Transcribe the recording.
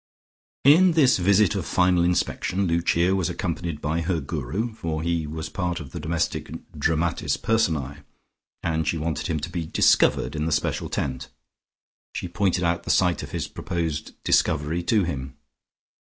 In this visit of final inspection Lucia was accompanied by her Guru, for he was part of the domestic dramatis personae, and she wanted him to be "discovered" in the special tent. She pointed out the site of his proposed "discovery" to him.